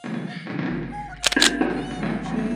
In this case "p" is called a Proth prime.